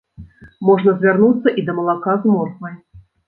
Можна звярнуцца і да малака з морквай.